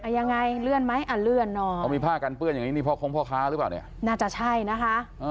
ยังไงเลื่อนไหมอ่ะเลื่อนเนอะเขามีผ้ากันเปื้อนอย่างนี้นี่พ่อคงพ่อค้าหรือเปล่าเนี่ยน่าจะใช่นะคะ